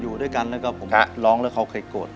อยู่ด้วยกันแล้วก็ผมร้องแล้วเขาเคยโกรธ